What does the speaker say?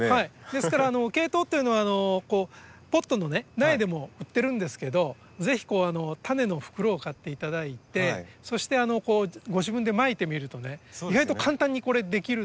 ですからケイトウっていうのはポットの苗でも売ってるんですけどぜひ種の袋を買っていただいてそしてご自分でまいてみるとね意外と簡単に出来るので。